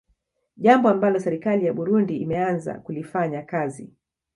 Jambo ambalo serikali ya Buirundi imeanza kulifanyika kazi